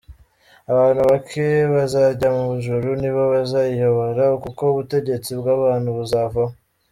Abantu bake bazajya mu ijuru, nibo bazayiyobora kuko ubutegetsi bw’abantu buzavaho.